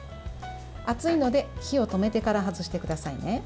熱いので火を止めてから外してくださいね。